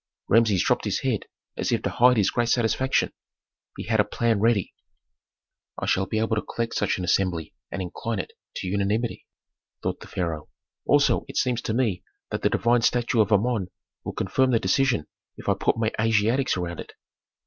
Rameses dropped his head as if to hide his great satisfaction. He had a plan ready. "I shall be able to collect such an assembly and incline it to unanimity," thought the pharaoh. "Also it seems to me the divine statue of Amon will confirm the decision if I put my Asiatics around it."